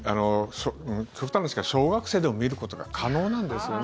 極端な話、小学生でも見ることが可能なんですよね。